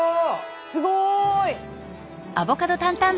すごい。